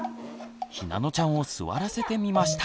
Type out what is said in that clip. ひなのちゃんを座らせてみました。